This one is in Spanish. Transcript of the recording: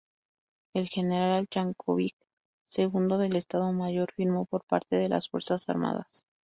El general Jankovic, segundo del Estado Mayor, firmó por parte de las fuerzas armadas.